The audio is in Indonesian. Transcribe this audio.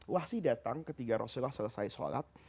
wahsyi datang ketika rasulullah selesai sholat